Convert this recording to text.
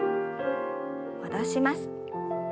戻します。